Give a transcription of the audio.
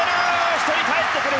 １人かえってくる。